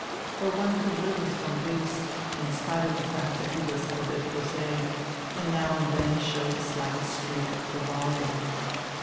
For one could live widi von Briest, in spite of die fact diat he was a bit prosaic and now and dien showed a slight streak of frivolity.